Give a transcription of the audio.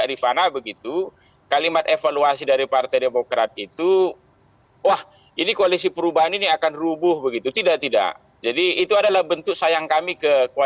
ini sebagai daya tawar gak